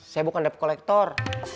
saya bukan debt collector